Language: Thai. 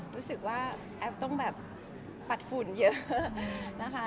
รู้สึกแอฟต้องปัดฝุ่นเยอะนะคะ